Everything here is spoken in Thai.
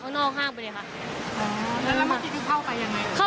เพราะทำงานที่นี่ทุกวันใช่ค่ะ